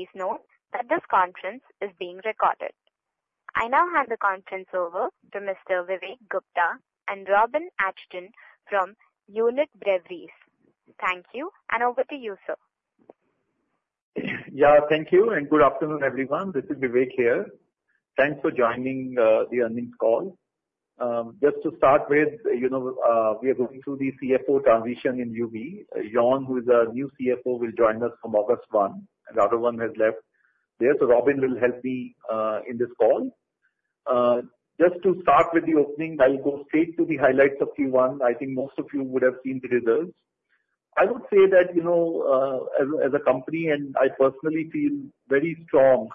Please note that this conference is being recorded. I now hand the conference over to Mr. Vivek Gupta and Robin Achten from United Breweries. Thank you, and over to you, sir. Yeah, thank you, and good afternoon, everyone. This is Vivek here. Thanks for joining the earnings call. Just to start with, we are going through the CFO transition in UB. Jorn, who is a new CFO, will join us from August 1, and the other one has left there. So Robin will help me in this call. Just to start with the opening, I'll go straight to the highlights of Q1. I think most of you would have seen the results. I would say that, as a company, and I personally feel very strong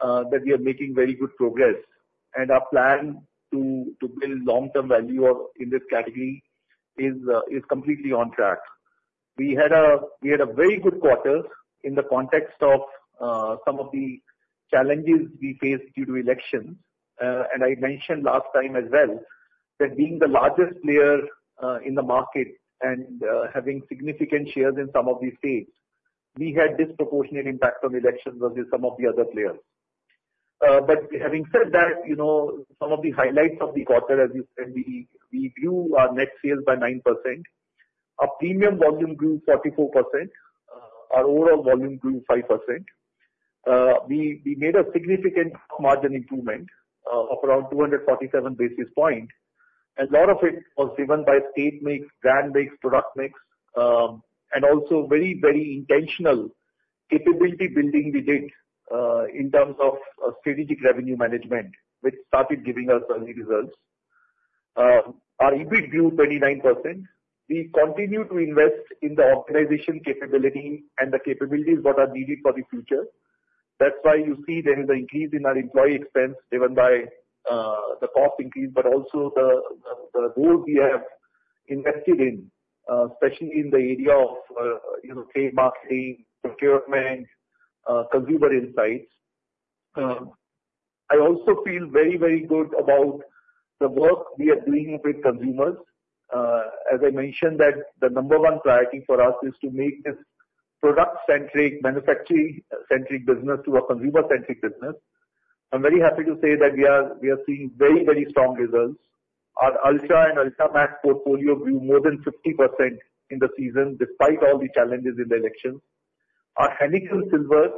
that we are making very good progress, and our plan to build long-term value in this category is completely on track. We had a very good quarter in the context of some of the challenges we faced due to elections. I mentioned last time as well that being the largest player in the market and having significant shares in some of these states, we had disproportionate impact on elections versus some of the other players. But having said that, some of the highlights of the quarter, as you said, we grew our net sales by 9%. Our premium volume grew 44%. Our overall volume grew 5%. We made a significant margin improvement of around 247 basis points. A lot of it was driven by state-based brand-based product mix, and also very, very intentional capability building we did in terms of strategic revenue management, which started giving us early results. Our EBIT grew 29%. We continue to invest in the organization capability and the capabilities that are needed for the future. That's why you see there is an increase in our employee expense driven by the cost increase, but also the roles we have invested in, especially in the area of trade marketing, procurement, consumer insights. I also feel very, very good about the work we are doing with consumers. As I mentioned, the number one priority for us is to make this product-centric, manufacturing-centric business to a consumer-centric business. I'm very happy to say that we are seeing very, very strong results. Our Ultra and Ultra Max portfolio grew more than 50% in the season, despite all the challenges in the elections. Our Heineken Silver,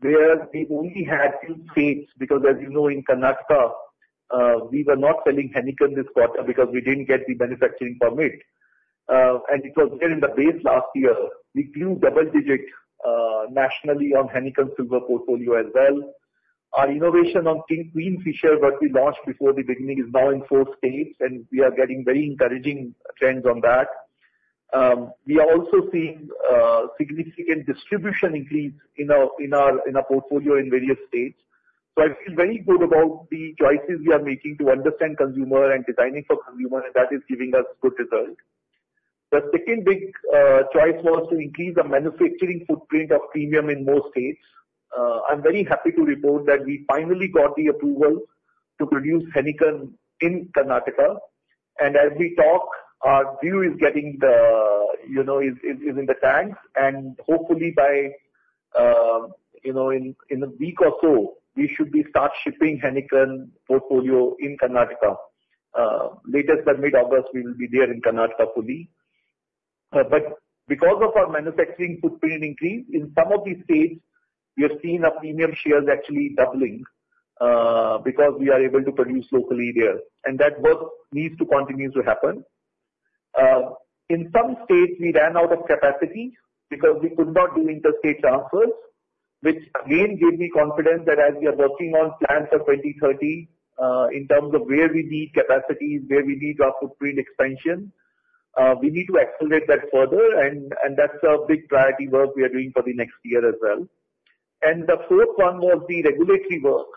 where we only had two states, because as you know, in Karnataka, we were not selling Heineken this quarter because we didn't get the manufacturing permit, and it was there in the base last year. We grew double-digit nationally on Heineken Silver portfolio as well. Our innovation on Queenfisher, which we launched before the beginning, is now in four states, and we are getting very encouraging trends on that. We are also seeing significant distribution increase in our portfolio in various states. So I feel very good about the choices we are making to understand consumer and designing for consumer, and that is giving us good results. The second big choice was to increase the manufacturing footprint of premium in most states. I'm very happy to report that we finally got the approval to produce Heineken in Karnataka. And as we talk, our brew is getting the yeast in the tanks, and hopefully by in a week or so, we should be start shipping Heineken portfolio in Karnataka. Latest by mid-August, we will be there in Karnataka fully. But because of our manufacturing footprint increase, in some of these states, we have seen our premium shares actually doubling because we are able to produce locally there, and that work needs to continue to happen. In some states, we ran out of capacity because we could not do interstate transfers, which again gave me confidence that as we are working on plans for 2030 in terms of where we need capacity, where we need our footprint expansion, we need to accelerate that further, and that's a big priority work we are doing for the next year as well. The fourth one was the regulatory work.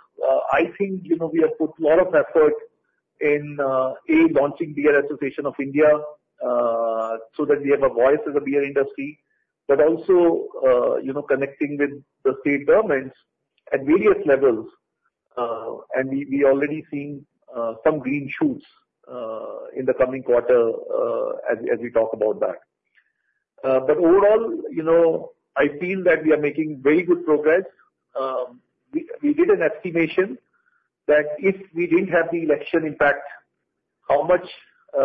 I think we have put a lot of effort in, A, launching Brewers Association of India so that we have a voice in the beer industry, but also connecting with the state governments at various levels. And we are already seeing some green shoots in the coming quarter as we talk about that. But overall, I feel that we are making very good progress. We did an estimation that if we didn't have the election impact, how much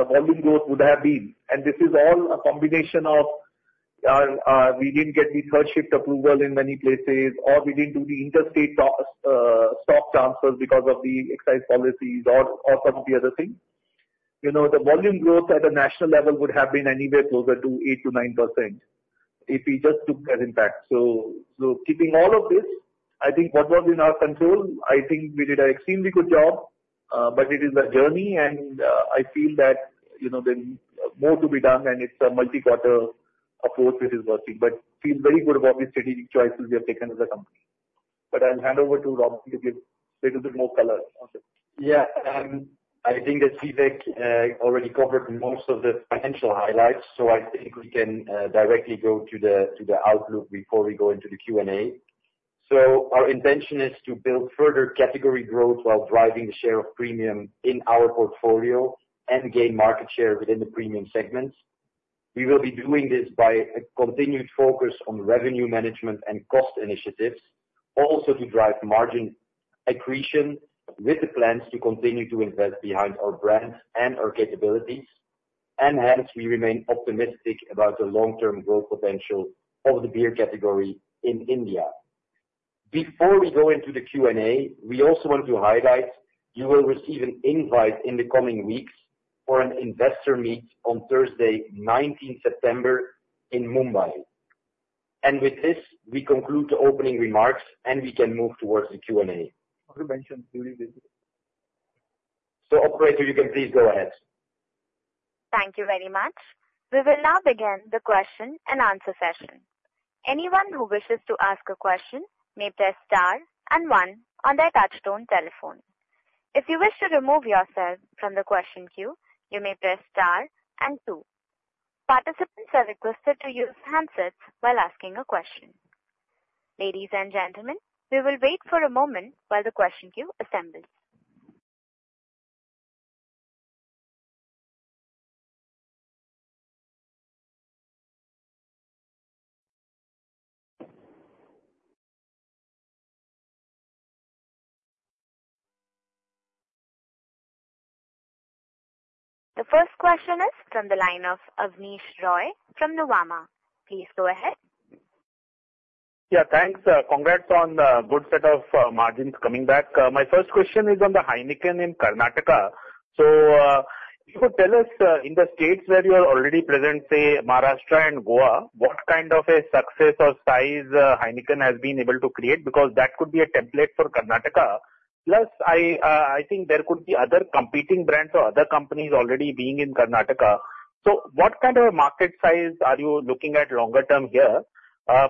volume growth would have been. And this is all a combination of we didn't get the third-shift approval in many places, or we didn't do the interstate stock transfers because of the excise policies or some of the other things. The volume growth at the national level would have been anywhere closer to 8%-9% if we just took that impact. So keeping all of this, I think what was in our control, I think we did an extremely good job, but it is a journey, and I feel that there's more to be done, and it's a multi-quarter approach that is working. But I feel very good about the strategic choices we have taken as a company. But I'll hand over to Robin to give a little bit more color. Yeah. I think that Vivek already covered most of the financial highlights, so I think we can directly go to the outlook before we go into the Q&A. So our intention is to build further category growth while driving the share of premium in our portfolio and gain market share within the premium segments. We will be doing this by a continued focus on revenue management and cost initiatives, also to drive margin accretion with the plans to continue to invest behind our brand and our capabilities. Hence, we remain optimistic about the long-term growth potential of the beer category in India. Before we go into the Q&A, we also want to highlight you will receive an invite in the coming weeks for an investor meet on Thursday, 19 September, in Mumbai. With this, we conclude the opening remarks, and we can move towards the Q&A. You mentioned during this. So Operator, you can please go ahead. Thank you very much. We will now begin the question and answer session. Anyone who wishes to ask a question may press star and one on their touch-tone telephone. If you wish to remove yourself from the question queue, you may press star and two. Participants are requested to use handsets while asking a question. Ladies and gentlemen, we will wait for a moment while the question queue assembles. The first question is from the line of Abneesh Roy from Nuvama. Please go ahead. Yeah, thanks. Congrats on the good set of margins coming back. My first question is on the Heineken in Karnataka. So if you could tell us in the states where you are already present, say, Maharashtra and Goa, what kind of a success or size Heineken has been able to create? Because that could be a template for Karnataka. Plus, I think there could be other competing brands or other companies already being in Karnataka. So what kind of a market size are you looking at longer term here?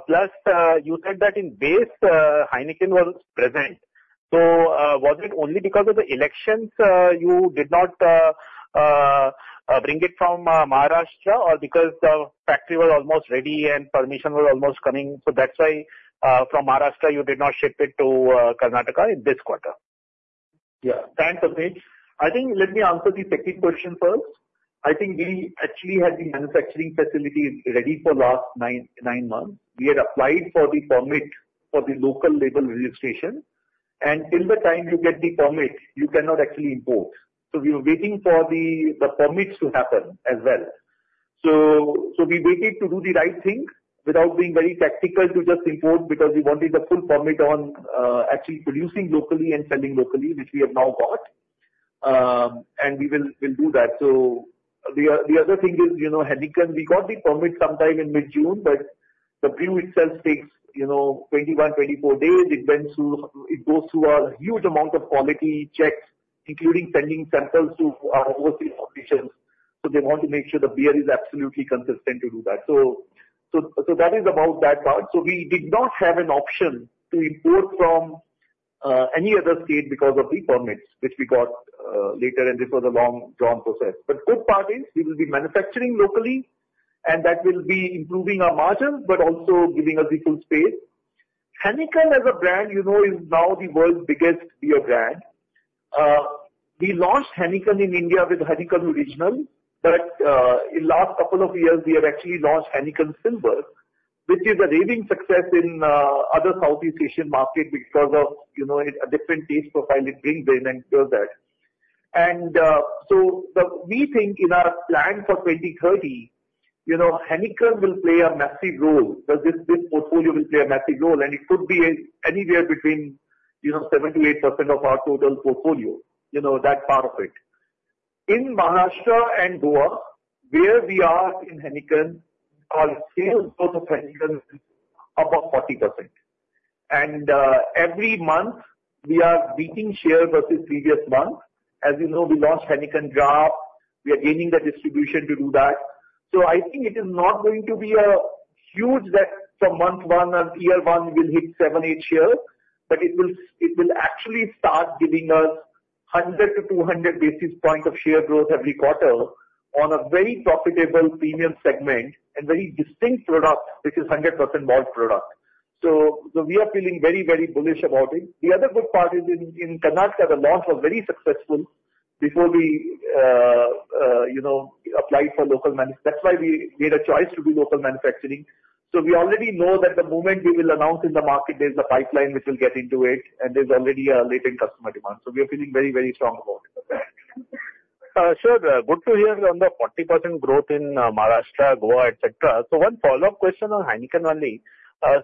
Plus, you said that in base, Heineken was present. So was it only because of the elections you did not bring it from Maharashtra, or because the factory was almost ready and permission was almost coming? So that's why from Maharashtra, you did not ship it to Karnataka in this quarter? Yeah. Thanks, Abneesh. I think let me answer the second question first. I think we actually had the manufacturing facility ready for the last 9 months. We had applied for the permit for the local label registration. And till the time you get the permit, you cannot actually import. So we were waiting for the permits to happen as well. So we waited to do the right thing without being very tactical to just import because we wanted the full permit on actually producing locally and selling locally, which we have now got. And we will do that. So the other thing is Heineken, we got the permit sometime in mid-June, but the brew itself takes 21-24 days. It goes through a huge amount of quality checks, including sending samples to our overseas partners. So they want to make sure the beer is absolutely consistent to do that. So that is about that part. So we did not have an option to import from any other state because of the permits, which we got later, and this was a long-drawn process. But the good part is we will be manufacturing locally, and that will be improving our margins, but also giving us the full space. Heineken, as a brand, is now the world's biggest beer brand. We launched Heineken in India with Heineken Original, but in the last couple of years, we have actually launched Heineken Silver, which is a roaring success in the other Southeast Asian market because of a different taste profile it brings in and does that. We think in our plan for 2030, Heineken will play a massive role because this portfolio will play a massive role, and it could be anywhere between 7%-8% of our total portfolio, that part of it. In Maharashtra and Goa, where we are in Heineken, our sales growth of Heineken is above 40%. And every month, we are beating share versus previous month. As you know, we launched Heineken Draught. We are gaining the distribution to do that. So I think it is not going to be a huge that from month one or year one we will hit 7-8 shares, but it will actually start giving us 100-200 basis points of share growth every quarter on a very profitable premium segment and very distinct product, which is 100% malt product. So we are feeling very, very bullish about it. The other good part is in Karnataka, the launch was very successful before we applied for local manufacturing. That's why we made a choice to do local manufacturing. So we already know that the moment we will announce in the market, there's a pipeline which will get into it, and there's already a latent customer demand. So we are feeling very, very strong about it. Sure. Good to hear on the 40% growth in Maharashtra, Goa, etc. So one follow-up question on Heineken only.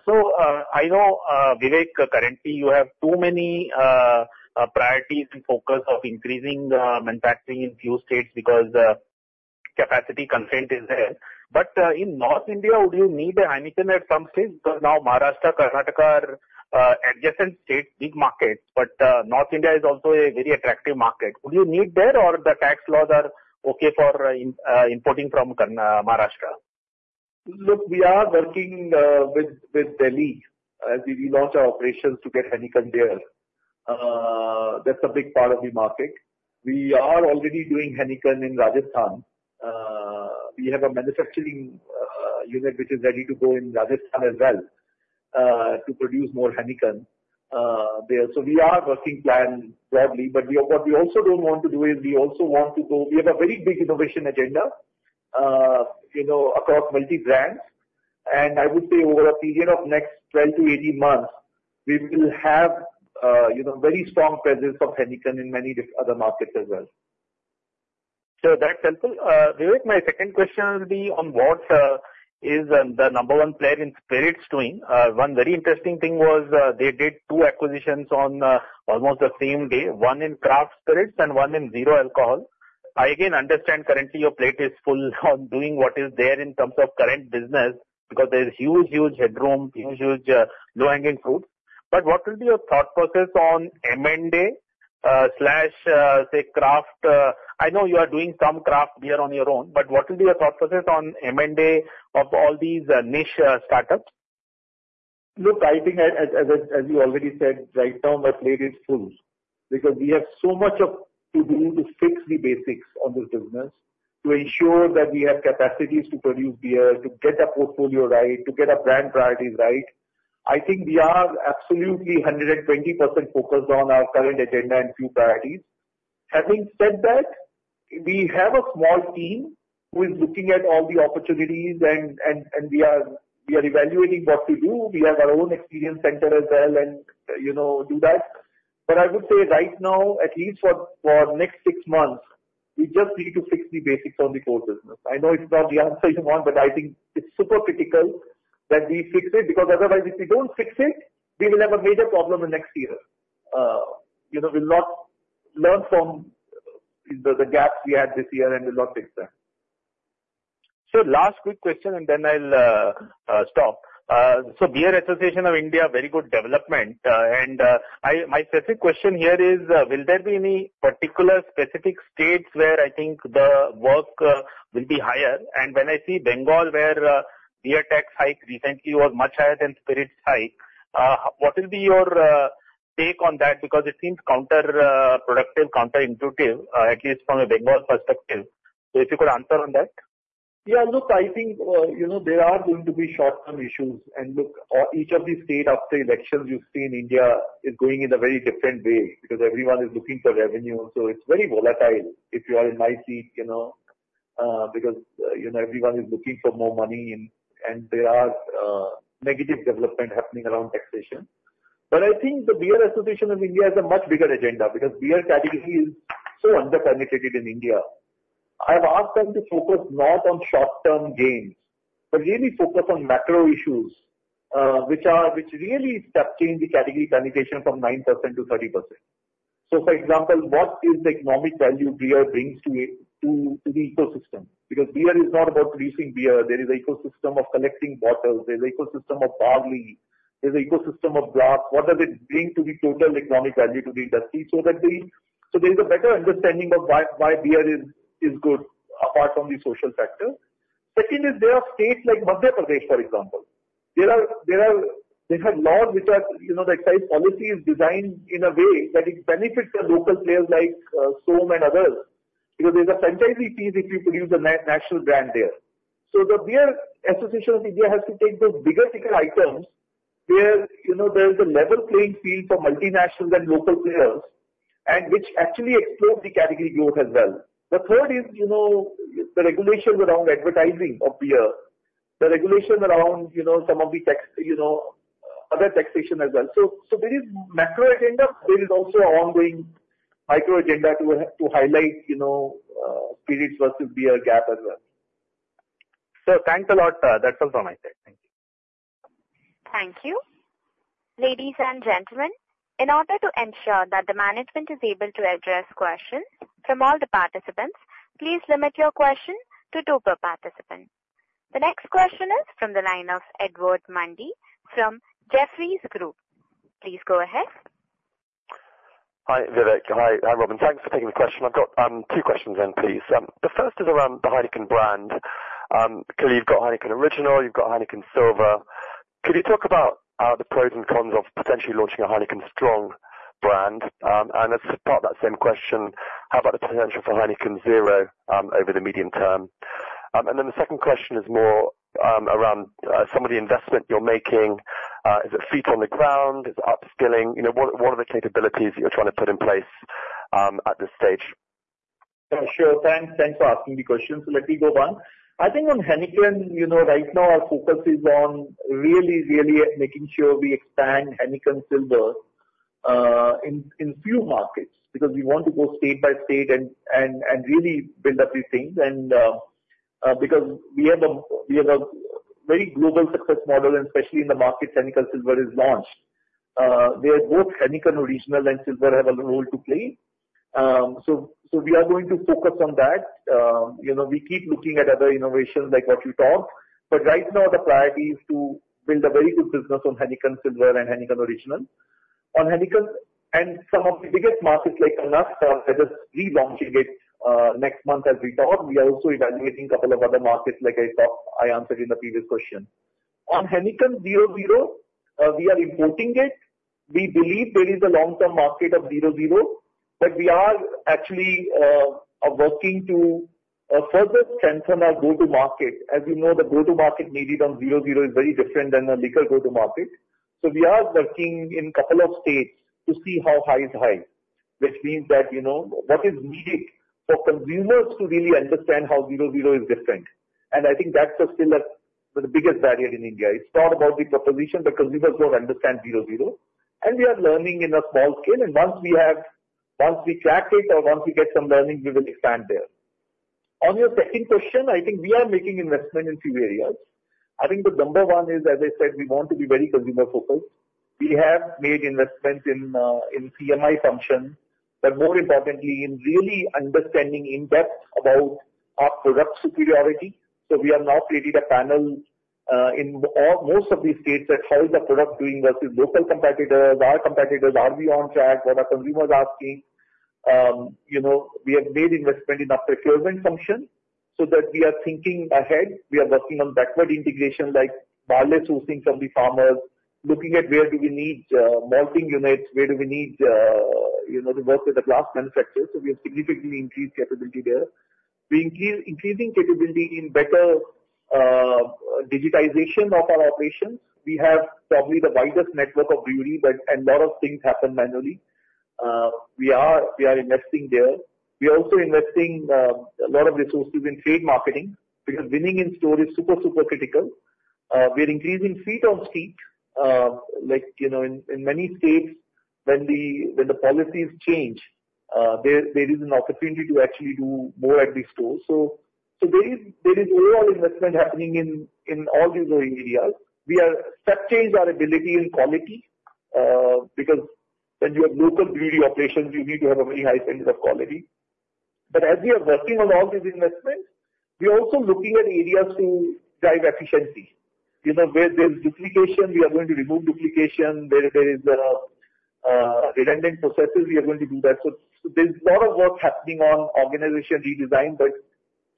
So I know, Vivek, currently you have too many priorities and focus of increasing manufacturing in a few states because capacity constraint is there. But in North India, would you need a Heineken at some states? Because now Maharashtra, Karnataka, are adjacent states, big markets, but North India is also a very attractive market. Would you need there, or the tax laws are okay for importing from Maharashtra? Look, we are working with Delhi as we launch our operations to get Heineken there. That's a big part of the market. We are already doing Heineken in Rajasthan. We have a manufacturing unit which is ready to go in Rajasthan as well to produce more Heineken there. So we are working plan broadly, but what we also don't want to do is we also want to go we have a very big innovation agenda across multi-brands. And I would say over a period of next 12-18 months, we will have a very strong presence of Heineken in many other markets as well. So that's helpful. Vivek, my second question would be on what is the number one player in spirits doing? One very interesting thing was they did two acquisitions on almost the same day, one in craft spirits and one in zero alcohol. I again understand currently your plate is full on doing what is there in terms of current business because there's huge, huge headroom, huge, huge low-hanging fruits. But what will be your thought process on M&A/craft? I know you are doing some craft beer on your own, but what will be your thought process on M&A of all these niche startups? Look, I think as you already said, right now my plate is full because we have so much to do to fix the basics on this business to ensure that we have capacities to produce beer, to get the portfolio right, to get our brand priorities right. I think we are absolutely 120% focused on our current agenda and few priorities. Having said that, we have a small team who is looking at all the opportunities, and we are evaluating what to do. We have our own experience center as well and do that. But I would say right now, at least for the next six months, we just need to fix the basics on the core business. I know it's not the answer you want, but I think it's super critical that we fix it because otherwise, if we don't fix it, we will have a major problem in the next year. We'll not learn from the gaps we had this year and we'll not fix them. So last quick question, and then I'll stop. So Brewers Association of India, very good development. And my specific question here is, will there be any particular specific states where I think the work will be higher? And when I see Bengal where beer tax hike recently was much higher than spirits hike, what will be your take on that? Because it seems counterproductive, counterintuitive, at least from a Bengal perspective. So if you could answer on that. Yeah, look, I think there are going to be short-term issues. And look, each of these states, after elections, you see in India is going in a very different way because everyone is looking for revenue. So it's very volatile if you are in my seat because everyone is looking for more money, and there are negative developments happening around taxation. But I think the Brewers Association of India has a much bigger agenda because beer category is so under-penetrated in India. I've asked them to focus not on short-term gains, but really focus on macro issues, which really substantially penetrate from 9%-30%. So for example, what is the economic value beer brings to the ecosystem? Because beer is not about producing beer. There is an ecosystem of collecting bottles. There is an ecosystem of barley. There is an ecosystem of glass. What does it bring to the total economic value to the industry? So there is a better understanding of why beer is good apart from the social factor. Second, there are states like Madhya Pradesh, for example. There are laws which are the excise policy is designed in a way that it benefits the local players like Som and others because there's a franchisee fee if you produce a national brand there. So the Brewers Association of India has to take those bigger ticket items where there is a level playing field for multinationals and local players, which actually explodes the category growth as well. The third is the regulation around advertising of beer, the regulation around some of the other taxation as well. So there is macro agenda. There is also an ongoing micro agenda to highlight spirits versus beer gap as well. Thanks a lot. That's all from my side. Thank you. Thank you. Ladies and gentlemen, in order to ensure that the management is able to address questions from all the participants, please limit your question to two per participant. The next question is from the line of Edward Mundy from Jefferies Group. Please go ahead. Hi, Vivek. Hi, Robin. Thanks for taking the question. I've got two questions then, please. The first is around the Heineken brand. Clearly, you've got Heineken Original. You've got Heineken Silver. Could you talk about the pros and cons of potentially launching a Heineken Strong brand? And as part of that same question, how about the potential for Heineken 0.0 over the medium term? And then the second question is more around some of the investment you're making. Is it feet on the ground? Is it upskilling? What are the capabilities that you're trying to put in place at this stage? Sure. Thanks for asking the question. So let me go on. I think on Heineken, right now our focus is on really, really making sure we expand Heineken Silver in few markets because we want to go state by state and really build up these things. And because we have a very global success model, and especially in the markets Heineken Silver is launched, where both Heineken Original and Silver have a role to play. So we are going to focus on that. We keep looking at other innovations like what you talked, but right now the priority is to build a very good business on Heineken Silver and Heineken Original. On Heineken and some of the biggest markets like Karnataka, we're just relaunching it next month as we talk. We are also evaluating a couple of other markets like I answered in the previous question. On Heineken 0.0, we are importing it. We believe there is a long-term market of 0.0, but we are actually working to further strengthen our go-to-market. As you know, the go-to-market needed on 0.0 is very different than the liquor go-to-market. So we are working in a couple of states to see how high is high, which means that what is needed for consumers to really understand how 0.0 is different. And I think that's still the biggest barrier in India. It's not about the proposition, but consumers don't understand 0.0. And we are learning in a small scale. And once we track it or once we get some learning, we will expand there. On your second question, I think we are making investment in two areas. I think the number one is, as I said, we want to be very consumer-focused. We have made investment in CMI function, but more importantly, in really understanding in-depth about our product superiority. So we have now created a panel in most of these states that how is the product doing versus local competitors, our competitors, are we on track, what are consumers asking. We have made investment in our procurement function so that we are thinking ahead. We are working on backward integration like barley sourcing from the farmers, looking at where do we need malting units, where do we need to work with the glass manufacturers. So we have significantly increased capability there. We are increasing capability in better digitization of our operations. We have probably the widest network of brewery, but a lot of things happen manually. We are investing there. We are also investing a lot of resources in trade marketing because winning in store is super, super critical. We are increasing feet on street. In many states, when the policies change, there is an opportunity to actually do more at the store. So there is overall investment happening in all these areas. We have subsidized our ability in quality because when you have local brewery operations, you need to have a very high standard of quality. But as we are working on all these investments, we are also looking at areas to drive efficiency. Where there's duplication, we are going to remove duplication. Where there is redundant processes, we are going to do that. So there's a lot of work happening on organization redesign, but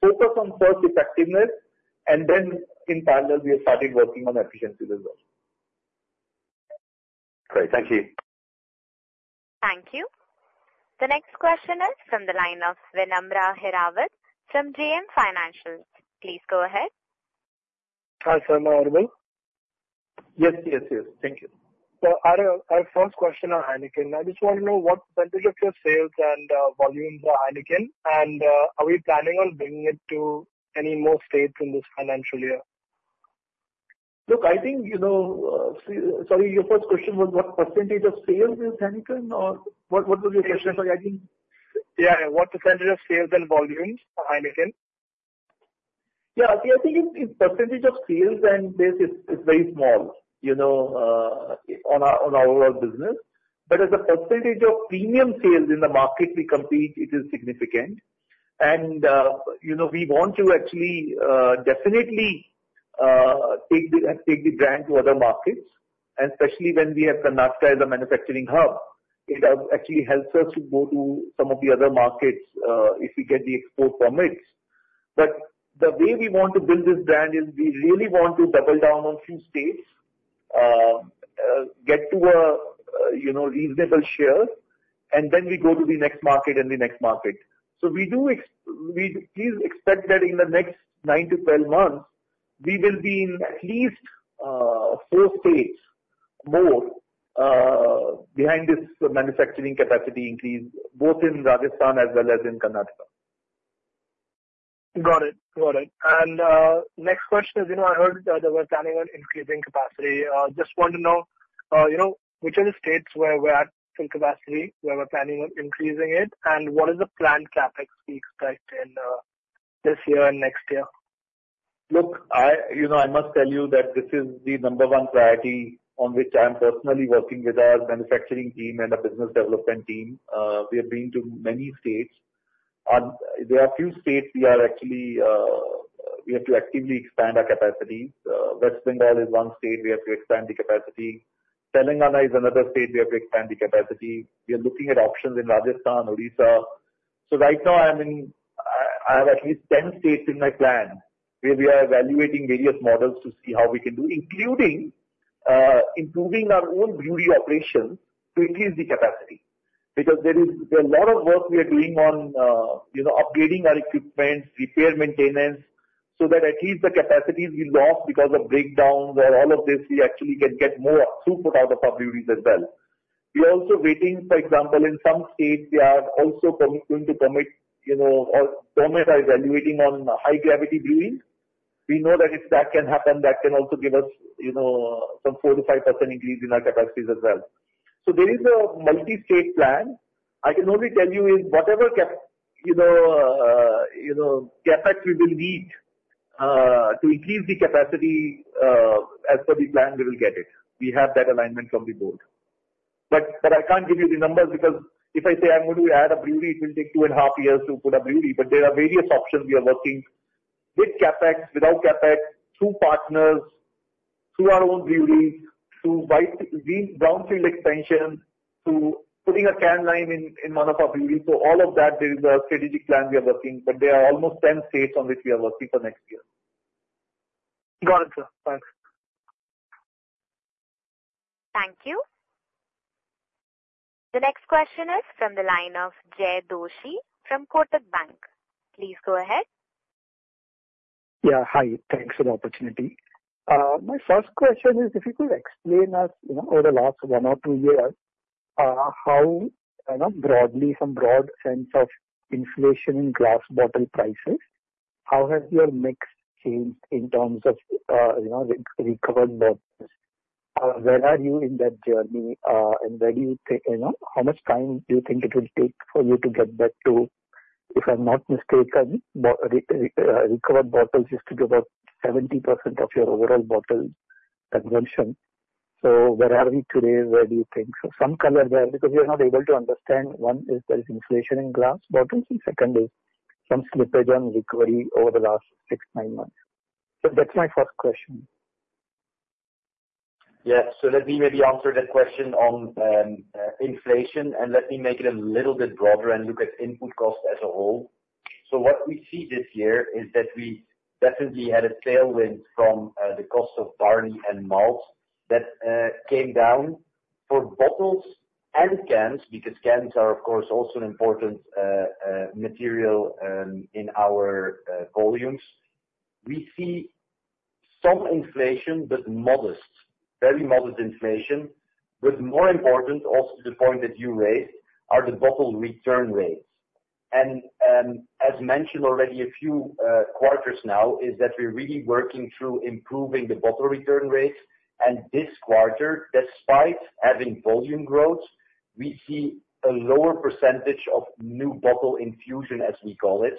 focus on first effectiveness, and then in parallel, we have started working on efficiency as well. Great. Thank you. Thank you. The next question is from the line of Vinamra Hirawat from JM Financial. Please go ahead. Hi, Sir. Am I audible? Yes, yes, yes. Thank you. Our first question on Heineken, I just want to know what percentage of your sales and volumes are Heineken, and are we planning on bringing it to any more states in this financial year? Look, I think, sorry, your first question was what percentage of sales is Heineken, or what was your question? Sorry, I think. Yeah. What percentage of sales and volumes are Heineken? Yeah. See, I think in percentage of sales, then this is very small on our business. But as a percentage of premium sales in the market we compete, it is significant. And we want to actually definitely take the brand to other markets, and especially when we have Karnataka as a manufacturing hub, it actually helps us to go to some of the other markets if we get the export permits. But the way we want to build this brand is we really want to double down on a few states, get to a reasonable share, and then we go to the next market and the next market. So please expect that in the next 9-12 months, we will be in at least 4 states more behind this manufacturing capacity increase, both in Rajasthan as well as in Karnataka. Got it. Got it. Next question is, I heard that they were planning on increasing capacity. Just want to know which are the states where we're at in capacity where we're planning on increasing it, and what is the planned Capex we expect in this year and next year? Look, I must tell you that this is the number one priority on which I'm personally working with our manufacturing team and our business development team. We have been to many states. There are a few states we are actually we have to actively expand our capacity. West Bengal is one state we have to expand the capacity. Telangana is another state we have to expand the capacity. We are looking at options in Rajasthan, Odisha. So right now, I have at least 10 states in my plan where we are evaluating various models to see how we can do, including improving our own brewery operations to increase the capacity because there is a lot of work we are doing on upgrading our equipment, repair, maintenance, so that at least the capacities we lost because of breakdowns or all of this, we actually can get more throughput out of our breweries as well. We are also waiting, for example, in some states, they are also going to commit or comment on evaluating on high-gravity brewing. We know that if that can happen, that can also give us some 4%-5% increase in our capacities as well. So there is a multi-state plan. I can only tell you whatever Capex we will need to increase the capacity as per the plan, we will get it. We have that alignment from the board. But I can't give you the numbers because if I say I'm going to add a brewery, it will take two and a half years to put a brewery. But there are various options. We are working with CapEx, without CapEx, through partners, through our own breweries, through brownfield expansion, through putting a can line in one of our breweries. So all of that, there is a strategic plan we are working, but there are almost 10 states on which we are working for next year. Got it, sir. Thanks. Thank you. The next question is from the line of Jay Doshi from Kotak Bank. Please go ahead. Yeah. Hi. Thanks for the opportunity. My first question is, if you could explain to us over the last 1 or 2 years, how broadly, from a broad sense of inflation in glass bottle prices, how has your mix changed in terms of recovered bottles? Where are you in that journey, and where do you think how much time do you think it will take for you to get back to, if I'm not mistaken, recovered bottles used to be about 70% of your overall bottle consumption. So where are we today? Where do you think? So some color there because we are not able to understand. One is there is inflation in glass bottles, and second is some slippage on recovery over the last 6-9 months. So that's my first question. Yes. So let me maybe answer that question on inflation, and let me make it a little bit broader and look at input cost as a whole. So what we see this year is that we definitely had a tailwind from the cost of barley and malts that came down for bottles and cans because cans are, of course, also an important material in our volumes. We see some inflation, but modest, very modest inflation. But more important, also to the point that you raised, are the bottle return rates. And as mentioned already a few quarters now, is that we're really working through improving the bottle return rates. And this quarter, despite having volume growth, we see a lower percentage of new bottle infusion, as we call it.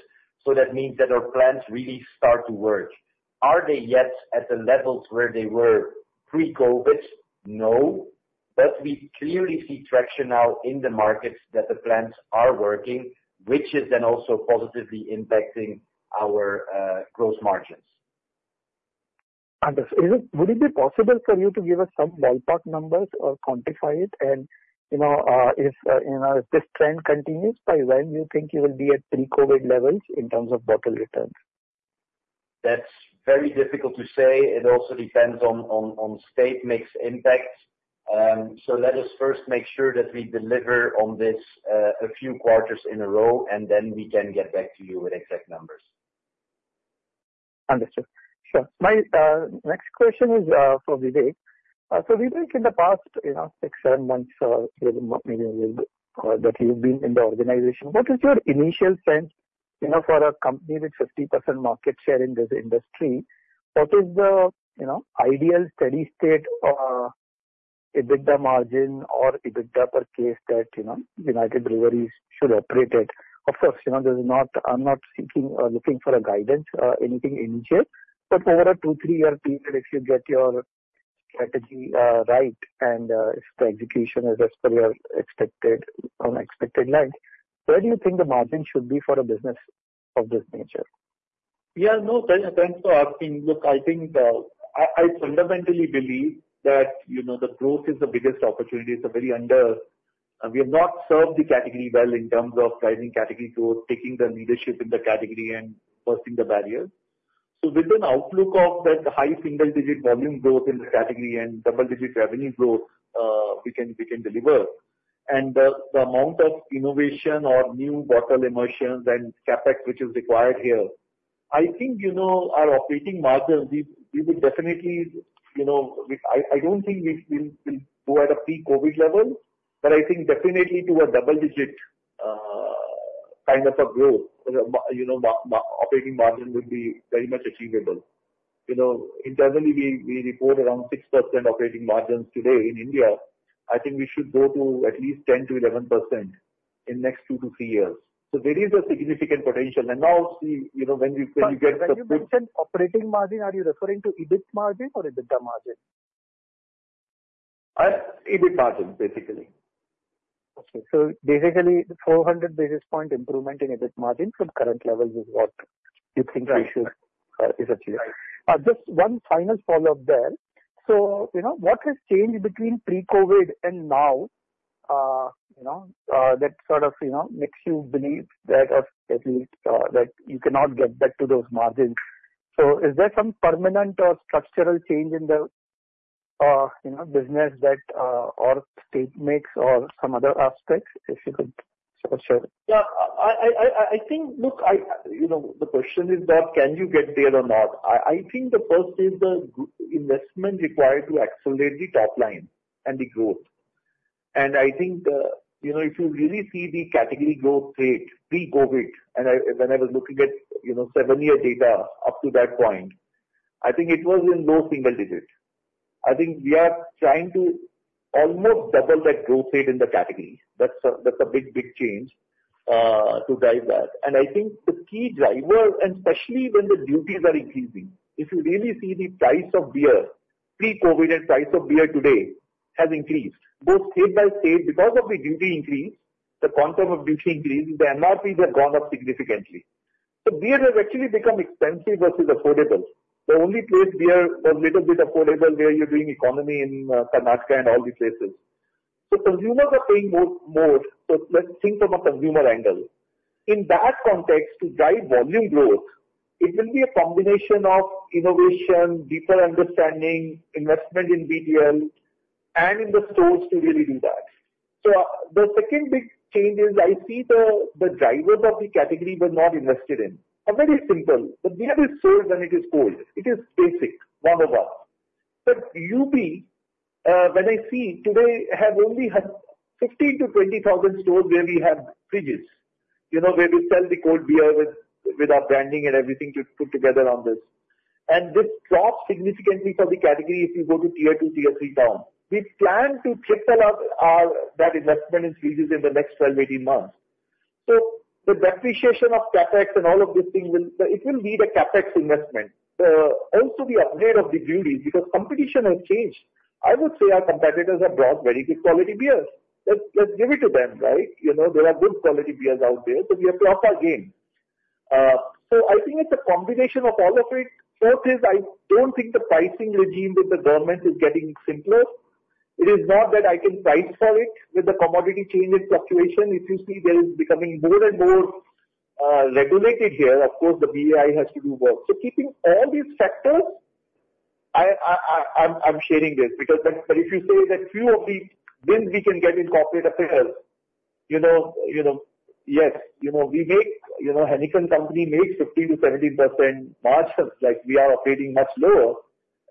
So that means that our plants really start to work. Are they yet at the levels where they were pre-COVID? No. But we clearly see traction now in the markets that the plants are working, which is then also positively impacting our gross margins. Fantastic. Would it be possible for you to give us some ballpark numbers or quantify it? If this trend continues, by when do you think you will be at pre-COVID levels in terms of bottle returns? That's very difficult to say. It also depends on state mix impact. So let us first make sure that we deliver on this a few quarters in a row, and then we can get back to you with exact numbers. Understood. Sure. My next question is for Vivek. So Vivek, in the past 6-7 months that you've been in the organization, what is your initial sense for a company with 50% market share in this industry? What is the ideal steady state EBITDA margin or EBITDA per case that United Breweries should operate at? Of course, I'm not looking for guidance or anything initial, but over a 2-3-year period, if you get your strategy right and if the execution is as per your expected line, where do you think the margin should be for a business of this nature? Yeah. No, thanks for asking. Look, I fundamentally believe that the growth is the biggest opportunity. It's a very under we have not served the category well in terms of driving category growth, taking the leadership in the category and bursting the barriers. With an outlook of that high single-digit volume growth in the category and double-digit revenue growth we can deliver, and the amount of innovation or new bottle immersion and capex which is required here, I think our operating margin, we would definitely I don't think we'll go at a pre-COVID level, but I think definitely to a double-digit kind of a growth, operating margin would be very much achievable. Internally, we report around 6% operating margins today in India. I think we should go to at least 10%-11% in the next two to three years. There is a significant potential. And now, when you get the. When you mentioned operating margin, are you referring to EBIT margin or EBITDA margin? EBIT margin, basically. Okay. So basically, 400 basis point improvement in EBIT margin from current levels is what you think we should achieve. Just one final follow-up there. So what has changed between pre-COVID and now that sort of makes you believe that at least that you cannot get back to those margins? So is there some permanent or structural change in the business or state mix or some other aspects, if you could share? Yeah. I think, look, the question is not can you get there or not. I think the first is the investment required to accelerate the top line and the growth. And I think if you really see the category growth rate pre-COVID, and when I was looking at seven-year data up to that point, I think it was in low single digit. I think we are trying to almost double that growth rate in the category. That's a big, big change to drive that. And I think the key driver, and especially when the duties are increasing, if you really see the price of beer pre-COVID and price of beer today has increased, both state by state, because of the duty increase, the quantum of duty increase, the MRPs have gone up significantly. So beer has actually become expensive versus affordable. The only place beer was a little bit affordable where you're doing economy in Karnataka and all these places. So consumers are paying more. So let's think from a consumer angle. In that context, to drive volume growth, it will be a combination of innovation, deeper understanding, investment in BTL, and in the stores to really do that. So the second big change is I see the drivers of the category we're not invested in. A very simple one. But beer is sold when it is cold. It is basic 101. But UP, when I see today, have only 15,000-20,000 stores where we have fridges, where we sell the cold beer with our branding and everything to put together on this. And this drops significantly for the category if you go to tier two, tier three down. We plan to triple that investment in fridges in the next 12-18 months. So the depreciation of CapEx and all of these things, it will be the CapEx investment. Also, the upgrade of the breweries because competition has changed. I would say our competitors have brought very good quality beers. Let's give it to them, right? There are good quality beers out there, so we have to up our game. So I think it's a combination of all of it. Fourth is I don't think the pricing regime with the government is getting simpler. It is not that I can price for it with the commodity change and fluctuation. If you see there is becoming more and more regulated here, of course, the BAI has to do work. Keeping all these factors, I'm sharing this because if you say that few of the wins we can get in corporate affairs, yes, we make; Heineken company makes 15%-17% margins. We are operating much lower.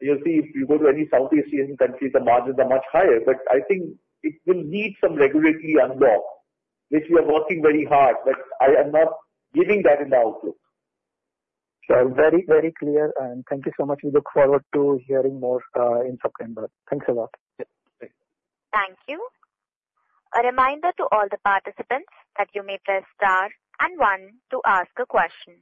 You'll see if you go to any Southeast Asian country, the margins are much higher. But I think it will need some regulatory unlock, which we are working very hard, but I am not giving that in the outlook. Sure. Very, very clear. Thank you so much. We look forward to hearing more in September. Thanks a lot. Yeah. Thanks. Thank you. A reminder to all the participants that you may press star and one to ask a question.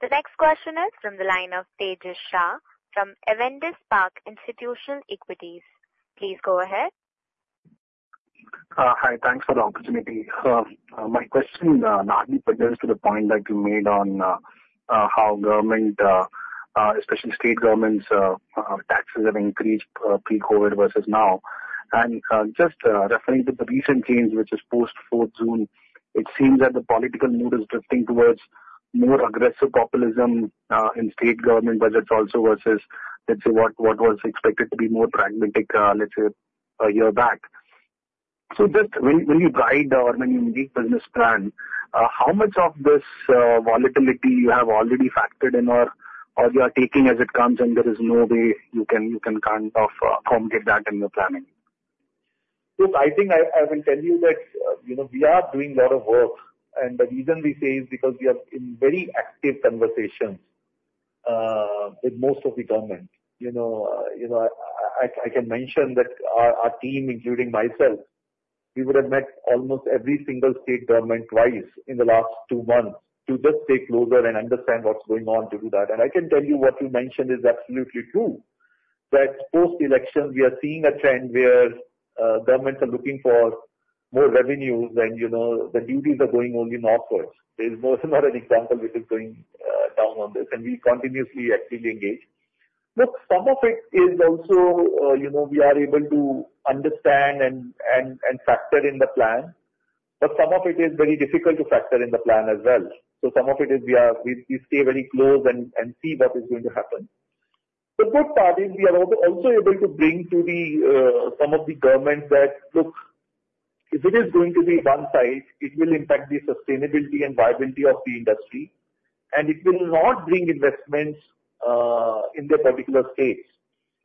The next question is from the line of Tejas Shah from Avendus Spark Institutional Equities. Please go ahead. Hi. Thanks for the opportunity. My question, Nahdi, pertains to the point that you made on how government, especially state governments, taxes have increased pre-COVID versus now. Just referring to the recent change, which is post-fourth June, it seems that the political mood is drifting towards more aggressive populism in state government budgets also versus, let's say, what was expected to be more pragmatic, let's say, a year back. So just when you guide or when you make business plan, how much of this volatility you have already factored in or you are taking as it comes, and there is no way you can kind of accommodate that in your planning? Look, I think I will tell you that we are doing a lot of work. The reason we say is because we are in very active conversations with most of the government. I can mention that our team, including myself, we would have met almost every single state government twice in the last two months to just stay closer and understand what's going on to do that. I can tell you what you mentioned is absolutely true. That post-election, we are seeing a trend where governments are looking for more revenues, and the duties are going only northwards. There's not an example which is going down on this, and we continuously actively engage. Look, some of it is also we are able to understand and factor in the plan, but some of it is very difficult to factor in the plan as well. So some of it is we stay very close and see what is going to happen. The good part is we are also able to bring to some of the governments that, look, if it is going to be one side, it will impact the sustainability and viability of the industry, and it will not bring investments in their particular states.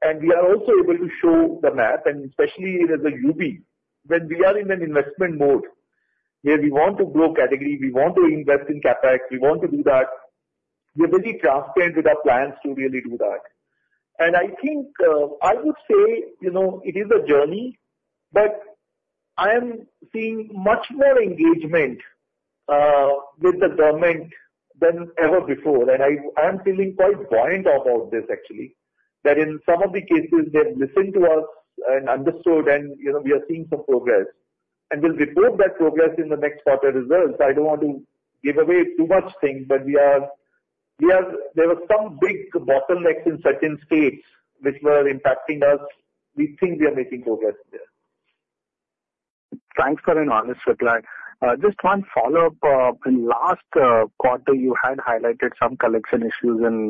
And we are also able to show the map, and especially as a UB, when we are in an investment mode where we want to grow category, we want to invest in CapEx, we want to do that, we're very transparent with our plans to really do that. And I think I would say it is a journey, but I am seeing much more engagement with the government than ever before. And I am feeling quite buoyant about this, actually, that in some of the cases, they've listened to us and understood, and we are seeing some progress. And we'll report that progress in the next quarter results. I don't want to give away too much things, but there were some big bottlenecks in certain states which were impacting us. We think we are making progress there. Thanks for an honest reply. Just one follow-up. In the last quarter, you had highlighted some collection issues in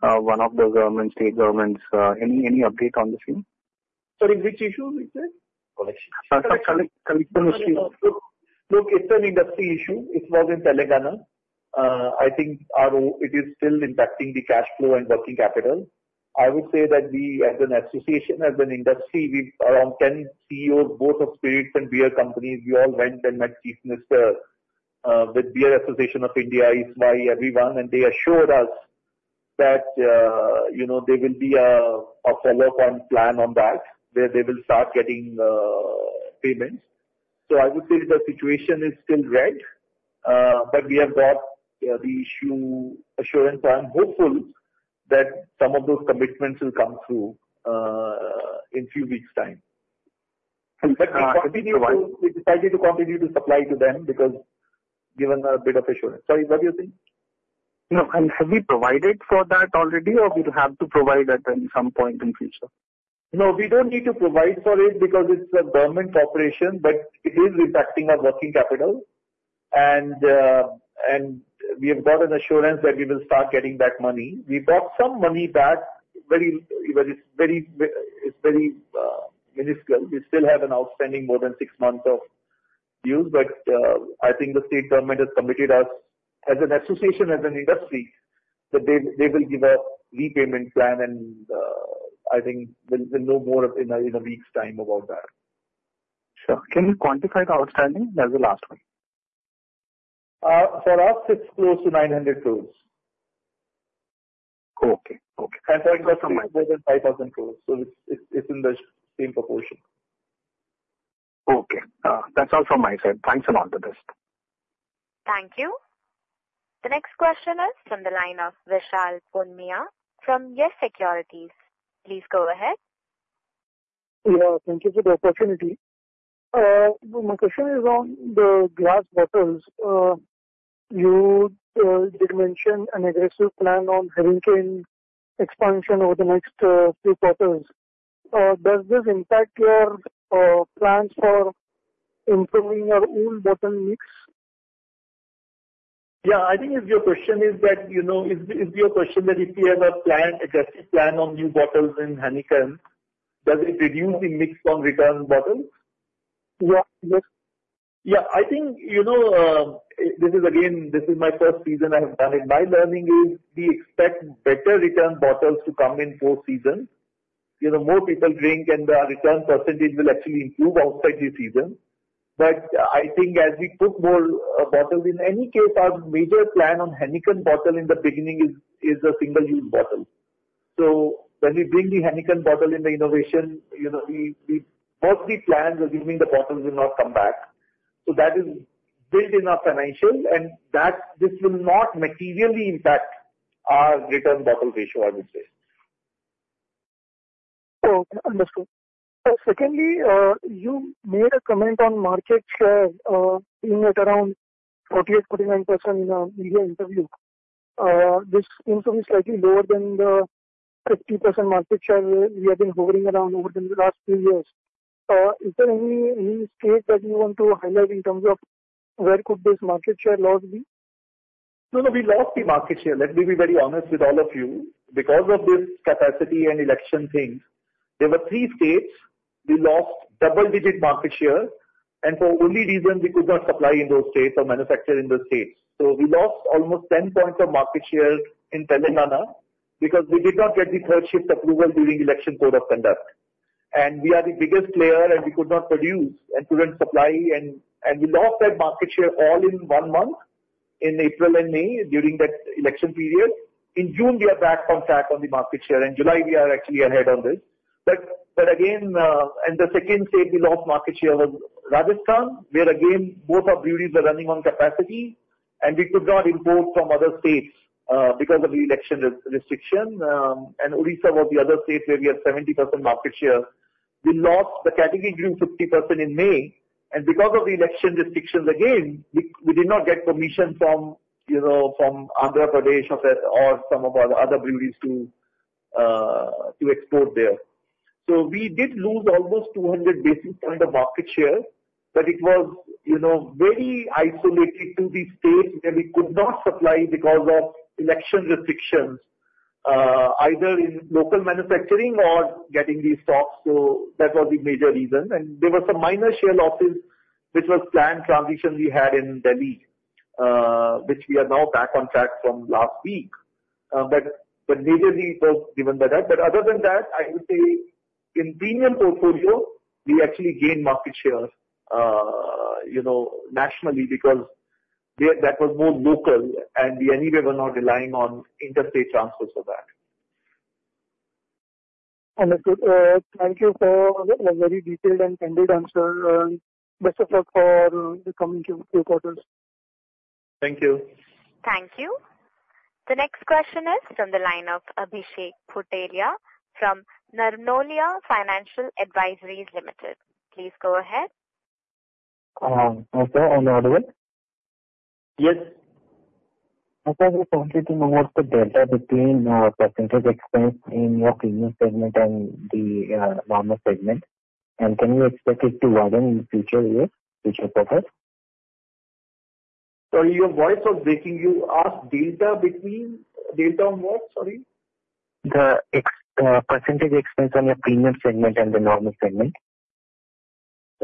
one of the state governments. Any update on the same? Sorry, which issue you said? Collection issue. Look, it's an industry issue. It was in Telangana. I think it is still impacting the cash flow and working capital. I would say that we, as an association, as an industry, we've around 10 CEOs, both of spirits and beer companies. We all went and met Chief Minister with Brewers Association of India ISWAI, everyone, and they assured us that there will be a follow-up on plan on that, where they will start getting payments. So I would say the situation is still red, but we have got the issue assurance. I'm hopeful that some of those commitments will come through in a few weeks' time. But we decided to continue to supply to them because given a bit of assurance. Sorry, what do you think? No. And have we provided for that already, or we'll have to provide at some point in future? No, we don't need to provide for it because it's a government operation, but it is impacting our working capital. And we have got an assurance that we will start getting back money. We got some money back. It's very minuscule. We still have an outstanding more than six months of use, but I think the state government has committed us, as an association, as an industry, that they will give a repayment plan, and I think we'll know more in a week's time about that. Sure. Can you quantify the outstanding? That's the last one. For us, it's close to 900 crores. Okay. Okay. For industry, more than 5,000 crore. It's in the same proportion. Okay. That's all from my side. Thanks a lot, the best. Thank you. The next question is from the line of Vishal Punmiya from YES SECURITIES. Please go ahead. Yeah. Thank you for the opportunity. My question is on the glass bottles. You did mention an aggressive plan on Heineken expansion over the next few quarters. Does this impact your plans for improving your own bottle mix? Yeah. I think if your question is if we have a plan, aggressive plan on new bottles in Heineken, does it reduce the mix on return bottles? Yeah. Yes. Yeah. I think this is, again, this is my first season I have done it. My learning is we expect better return bottles to come in post-season. More people drink, and the return percentage will actually improve outside the season. But I think as we put more bottles, in any case, our major plan on Heineken bottle in the beginning is a single-use bottle. So when we bring the Heineken bottle in the innovation, we've got the plan that using the bottles will not come back. So that is built in our financial, and this will not materially impact our return bottle ratio, I would say. Okay. Understood. Secondly, you made a comment on market share being at around 48-49% in a media interview. This seems to be slightly lower than the 50% market share we have been hovering around over the last few years. Is there any state that you want to highlight in terms of where could this market share loss be? No, no. We lost the market share. Let me be very honest with all of you. Because of this capacity and election thing, there were three states we lost double-digit market share, and for only reason we could not supply in those states or manufacture in those states. So we lost almost 10 points of market share in Telangana because we did not get the third-shift approval during election code of conduct. And we are the biggest player, and we could not produce and couldn't supply, and we lost that market share all in one month in April and May during that election period. In June, we are back on track on the market share, and July, we are actually ahead on this. But again, the second state we lost market share was Rajasthan, where again, both our breweries are running on capacity, and we could not import from other states because of the election restriction. Odisha was the other state where we had 70% market share. We lost the category group 50% in May. Because of the election restrictions, again, we did not get permission from Andhra Pradesh or some of our other breweries to export there. So we did lose almost 200 basis points of market share, but it was very isolated to the states where we could not supply because of election restrictions, either in local manufacturing or getting these stocks. So that was the major reason. There were some minor share losses, which was planned transition we had in Delhi, which we are now back on track from last week. Majorly, it was given by that. Other than that, I would say in premium portfolio, we actually gained market share nationally because that was more local, and we anyway were not relying on interstate transfers for that. Understood. Thank you for a very detailed and candid answer. Best of luck for the coming few quarters. Thank you. Thank you. The next question is from the line of Abhishek Puttelia from Narnolia Financial Advisories Limited. Please go ahead. Mr. Onodwe. Yes. I was just wanting to know what's the delta between percentage expense in your premium segment and the normal segment, and can you expect it to widen in future years, future quarters? Sorry, your voice was breaking. You asked delta between delta on what? Sorry? The percentage expense on your premium segment and the normal segment.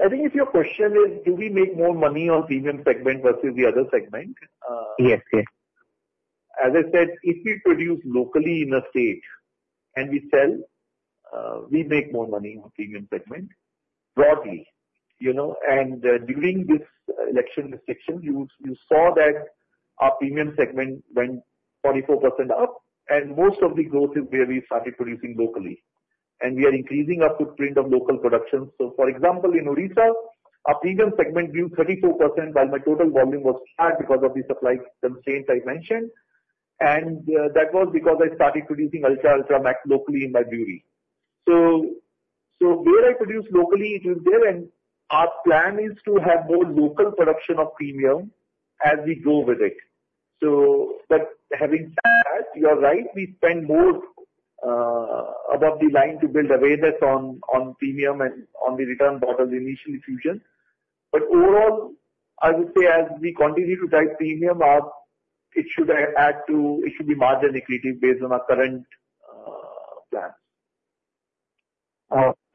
I think if your question is, do we make more money on premium segment versus the other segment? Yes. Yes. As I said, if we produce locally in a state and we sell, we make more money on premium segment broadly. During this election restriction, you saw that our premium segment went 44% up, and most of the growth is where we started producing locally. We are increasing our footprint of local production. For example, in Odisha, our premium segment grew 34% while my total volume was high because of the supply constraints I mentioned. That was because I started producing Ultra Max locally in my brewery. Where I produce locally, it is there, and our plan is to have more local production of premium as we go with it. But having said that, you're right. We spend more above the line to build awareness on premium and on the return bottles initially fusion. Overall, I would say as we continue to drive premium, it should add to it. It should be margin accretive based on our current plans.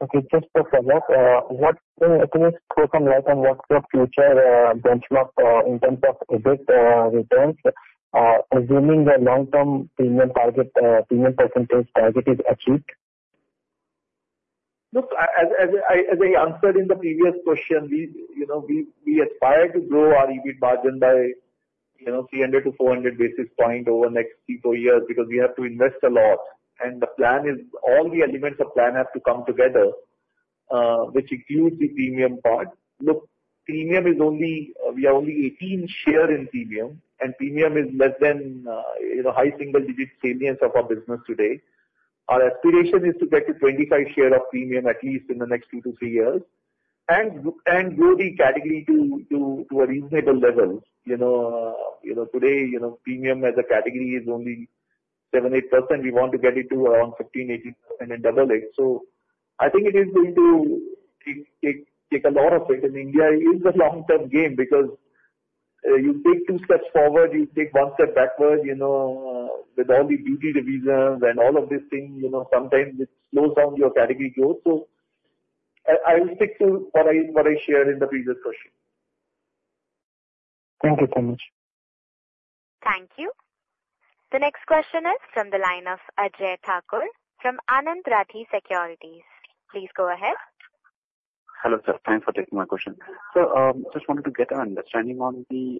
Okay. Just to follow up, what does the economic outlook look like on what's your future benchmark in terms of EBIT returns, assuming the long-term premium percentage target is achieved? Look, as I answered in the previous question, we aspire to grow our EBIT margin by 300-400 basis points over the next few years because we have to invest a lot. The plan is all the elements of plan have to come together, which includes the premium part. Look, premium is only we are only 18 share in premium, and premium is less than high single-digit savings of our business today. Our aspiration is to get to 25 share of premium at least in the next 2-3 years and grow the category to a reasonable level. Today, premium as a category is only 7-8%. We want to get it to around 15%-18% and double it. I think it is going to take a lot of it. India is a long-term game because you take two steps forward, you take one step backward with all the duty revisions and all of these things, sometimes it slows down your category growth. I will stick to what I shared in the previous question. Thank you so much. Thank you. The next question is from the line of Ajay Thakur from Anand Rathi Securities. Please go ahead. Hello, sir. Thanks for taking my question. Sir, I just wanted to get an understanding on the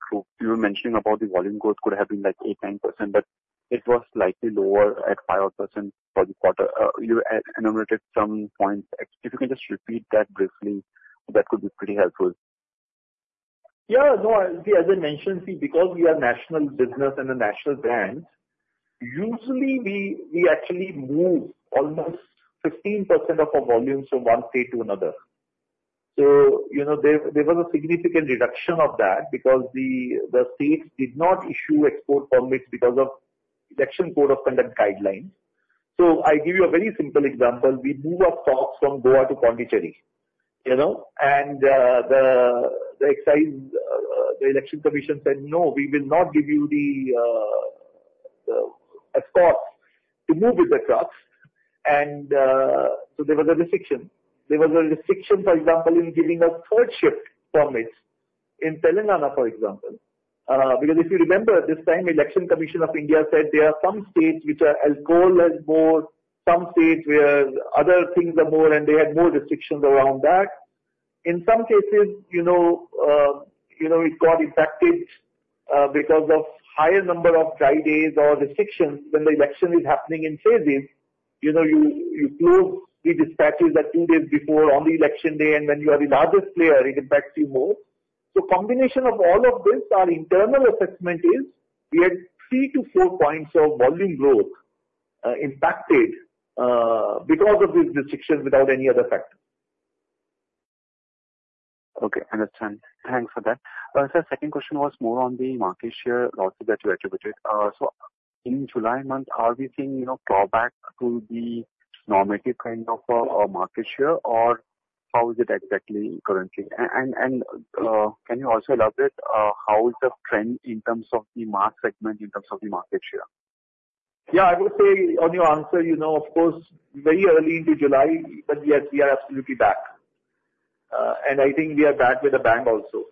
growth. You were mentioning about the volume growth could have been like 8%-9%, but it was slightly lower at 5.8% for the quarter. You enumerated some points. If you can just repeat that briefly, that could be pretty helpful. Yeah. No, as I mentioned, see, because we are a national business and a national brand, usually we actually move almost 15% of our volume from one state to another. So there was a significant reduction of that because the states did not issue export permits because of election code of conduct guidelines. So I'll give you a very simple example. We moved our stocks from Goa to Pondicherry, and the Election Commission said, "No, we will not give you the exports to move with the trucks." And so there was a restriction. There was a restriction, for example, in giving us third-shift permits in Telangana, for example. Because if you remember, at this time, the Election Commission of India said there are some states which are alcohol has more, some states where other things are more, and they had more restrictions around that. In some cases, it got impacted because of higher number of dry days or restrictions when the election is happening in phases. You close the dispatches 2 days before on the election day, and when you are the largest player, it impacts you more. So combination of all of this, our internal assessment is we had 3-4 points of volume growth impacted because of these restrictions without any other factors. Okay. Understood. Thanks for that. Sir, second question was more on the market share losses that you attributed. So in July month, are we seeing drawback to the normative kind of market share, or how is it exactly currently? And can you also elaborate how is the trend in terms of the mass segment, in terms of the market share? Yeah. I would say on your answer, of course, very early into July, but yes, we are absolutely back. And I think we are back with a bang also.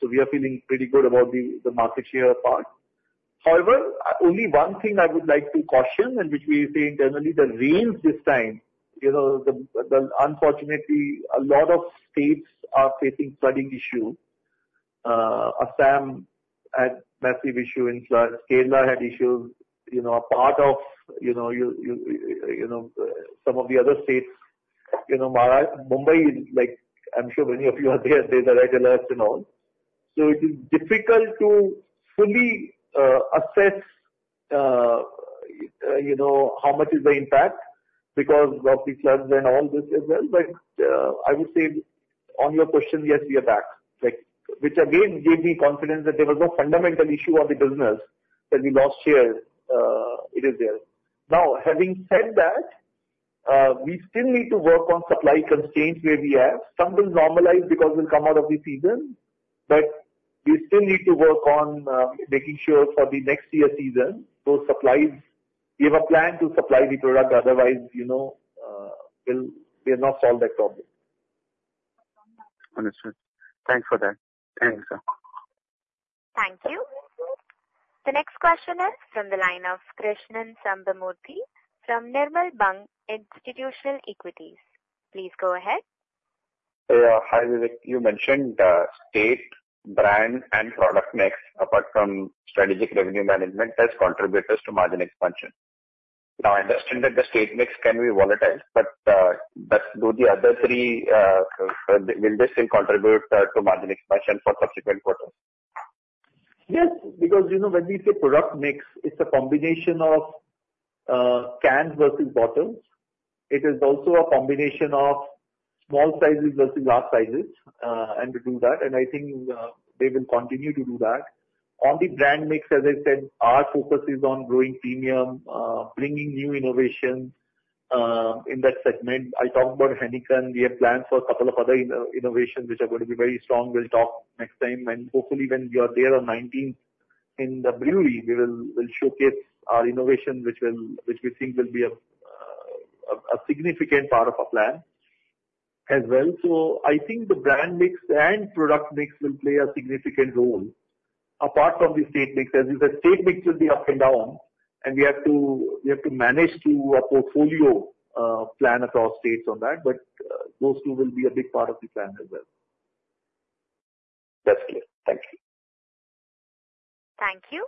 So we are feeling pretty good about the market share part. However, only one thing I would like to caution, and which we say internally, the rains this time. Unfortunately, a lot of states are facing flooding issues. Assam had massive issue in floods. Kerala had issues. A part of some of the other states, Mumbai, I'm sure many of you are there, there's a red alert and all. So it is difficult to fully assess how much is the impact because of the floods and all this as well. But I would say on your question, yes, we are back, which again gave me confidence that there was no fundamental issue of the business that we lost share. It is there. Now, having said that, we still need to work on supply constraints where we have. Some will normalize because we'll come out of the season, but we still need to work on making sure for the next year's season, those supplies, we have a plan to supply the product, otherwise we'll not solve that problem. Understood. Thanks for that. Thank you, sir. Thank you. The next question is from the line of Krishnan Sambamoorthy from Nirmal Bang Institutional Equities. Please go ahead. Hi, Vivek. You mentioned state, brand, and product mix, apart from strategic revenue management, as contributors to margin expansion. Now, I understand that the state mix can be volatile, but do the other three, will they still contribute to margin expansion for subsequent quarters? Yes. Because when we say product mix, it's a combination of cans versus bottles. It is also a combination of small sizes versus large sizes, and we do that. I think they will continue to do that. On the brand mix, as I said, our focus is on growing premium, bringing new innovations in that segment. I talked about Heineken. We have plans for a couple of other innovations which are going to be very strong. We'll talk next time. Hopefully, when we are there on 19th in the brewery, we will showcase our innovation, which we think will be a significant part of our plan as well. I think the brand mix and product mix will play a significant role. Apart from the state mix, as you said, state mix will be up and down, and we have to manage to a portfolio plan across states on that. But those two will be a big part of the plan as well. That's clear. Thank you. Thank you.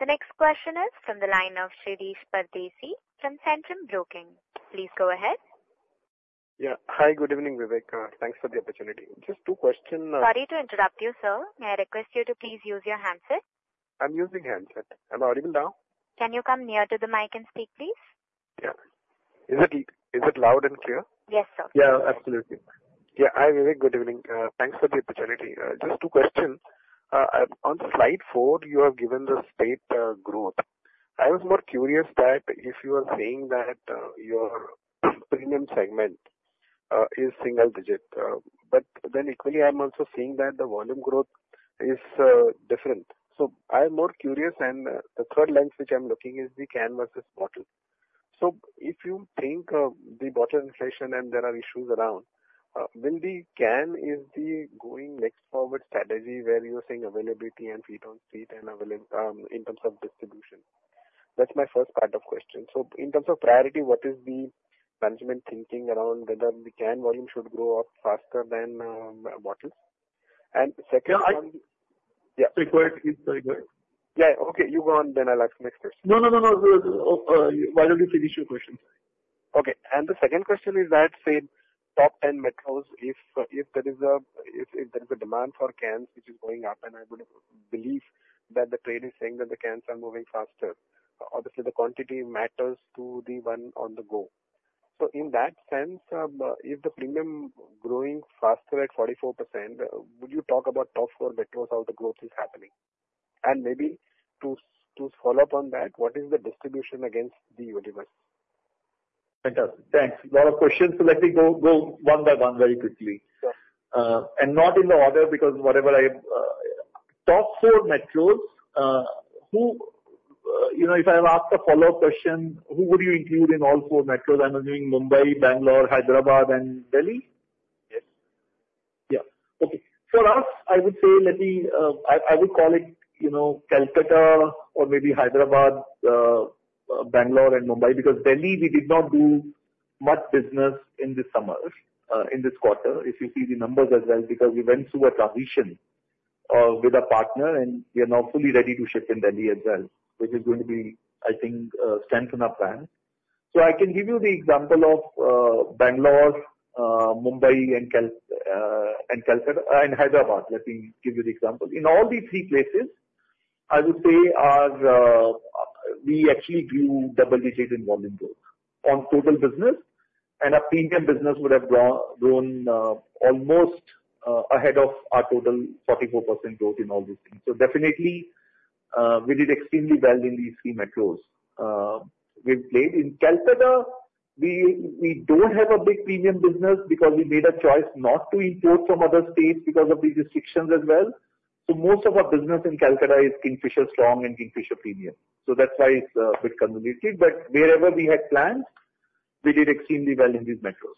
The next question is from the line of Shirish Pardeshi from Centrum Broking. Please go ahead. Yeah. Hi, good evening, Vivek. Thanks for the opportunity. Just two questions. Sorry to interrupt you, sir. May I request you to please use your handset? I'm using handset. Am I audible now? Can you come nearer to the mic and speak, please? Yeah. Is it loud and clear? Yes, sir. Yeah, absolutely. Yeah. Hi, Vivek. Good evening. Thanks for the opportunity. Just two questions. On slide four, you have given the state growth. I was more curious that if you are saying that your premium segment is single-digit. But then equally, I'm also seeing that the volume growth is different. So I'm more curious, and the third lens which I'm looking is the can versus bottle. So if you think the bottle inflation and there are issues around, will the can be the going next forward strategy where you're saying availability and feet on street and in terms of distribution? That's my first part of question. So in terms of priority, what is the management thinking around whether the can volume should grow up faster than bottles? And second. Yeah. Sorry, go ahead. Sorry, go ahead. Yeah. Okay. You go on, then I'll ask next question. No, no, no, no. Why don't you finish your question? Okay. And the second question is that same top 10 metros, if there is a demand for cans, which is going up, and I would believe that the trade is saying that the cans are moving faster, obviously the quantity matters to the one on the go. So in that sense, if the premium is growing faster at 44%, would you talk about top four metros how the growth is happening? And maybe to follow up on that, what is the distribution against the universe? Fantastic. Thanks. A lot of questions. So let me go one by one very quickly. Not in the order because whatever the top four metros, if I have asked a follow-up question, who would you include in all four metros? I'm assuming Mumbai, Bangalore, Hyderabad, and Delhi? Yes. Yeah. Okay. For us, I would say let me I would call it Calcutta or maybe Hyderabad, Bangalore, and Mumbai because Delhi, we did not do much business in this summer, in this quarter, if you see the numbers as well because we went through a transition with a partner, and we are now fully ready to ship in Delhi as well, which is going to be, I think, strengthen our plan. So I can give you the example of Bangalore, Mumbai, and Calcutta and Hyderabad. Let me give you the example. In all these three places, I would say we actually grew double digits in volume growth on total business, and our premium business would have grown almost ahead of our total 44% growth in all these things. So definitely, we did extremely well in these three metros. We've played in Calcutta. We don't have a big premium business because we made a choice not to import from other states because of these restrictions as well. So most of our business in Calcutta is Kingfisher Strong and Kingfisher Premium. So that's why it's a bit convoluted. But wherever we had plans, we did extremely well in these metros.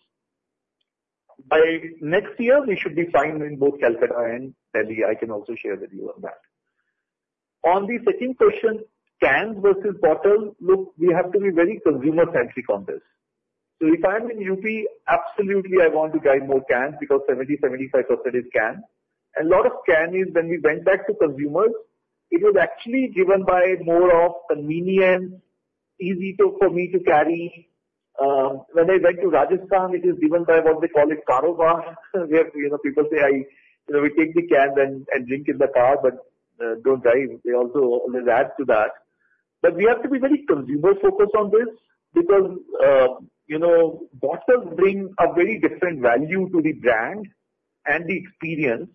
By next year, we should be fine in both Calcutta and Delhi. I can also share with you on that. On the second question, cans versus bottles, look, we have to be very consumer-centric on this. So if I'm in UP, absolutely, I want to drive more cans because 70%-75% is can. And a lot of can is when we went back to consumers, it was actually driven by more of convenience, easy for me to carry. When I went to Rajasthan, it is driven by what they call a car-o-bar. People say we take the cans and drink in the car, but don't drive. They also add to that. But we have to be very consumer-focused on this because bottles bring a very different value to the brand and the experience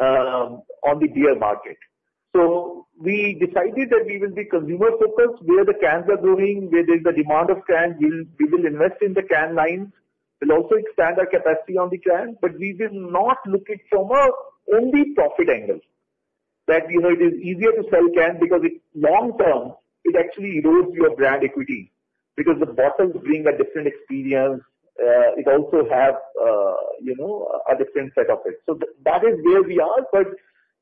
on the beer market. So we decided that we will be consumer-focused where the cans are growing, where there is a demand of cans. We will invest in the can lines. We'll also expand our capacity on the cans, but we will not look at it from only profit angle, that it is easier to sell cans because long-term, it actually erodes your brand equity because the bottles bring a different experience. It also has a different set of it. So that is where we are. But